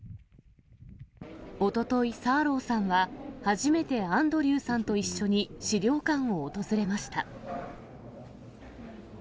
おととい、サーローさんは初めてアンドリューさんと一緒に資料館を訪れました。